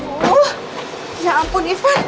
aduh ya ampun ivan